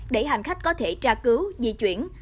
để hành khách có thể tra cứu di chuyển